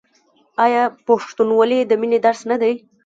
آیا پښتونولي د مینې درس نه دی؟